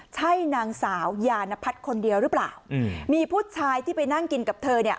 ใช่นางสาวยานพัฒน์คนเดียวหรือเปล่าอืมมีผู้ชายที่ไปนั่งกินกับเธอเนี่ย